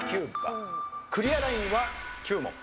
クリアラインは９問。